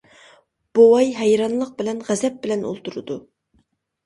بوۋاي ھەيرانلىق بىلەن غەزەپ بىلەن ئولتۇرىدۇ.